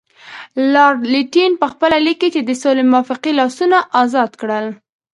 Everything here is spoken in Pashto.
لارډ لیټن پخپله لیکي چې د سولې موافقې لاسونه ازاد کړل.